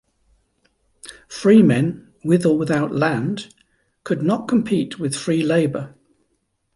Freemen with or without land could not compete with free labor.